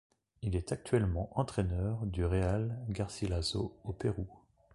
Il est actuellement entraîneur du Real Garcilaso au Pérou.